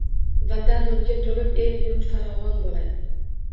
Vatan nurga to’lib, elu yurt faravon bo’ladi.